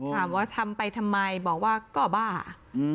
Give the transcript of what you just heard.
ถามว่าทำไปทำไมบอกว่าก็บ้า